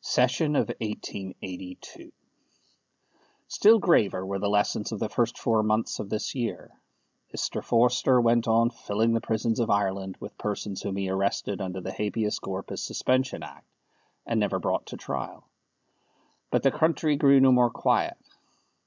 SESSION OF 1882. Still graver were the lessons of the first four months of this year. Mr. Forster went on filling the prisons of Ireland with persons whom he arrested under the Habeas Corpus Suspension Act, and never brought to trial. But the country grew no more quiet.